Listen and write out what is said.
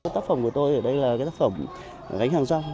tác phẩm của tôi ở đây là tác phẩm gánh hàng rong